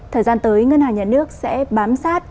thời gian tới ngân hàng nhà nước sẽ bám sát